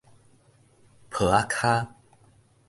抱仔跤